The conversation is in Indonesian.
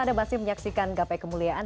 anda masih menyaksikan gapai kemuliaan